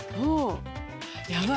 やばい。